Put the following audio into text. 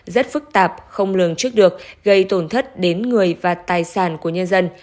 rất phức tạp không lường trước được gây tổn thất đến người và tài sản của nhân dân